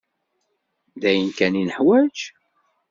D ayen kan i nuḥwaǧ?